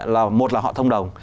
là một là họ thông đồng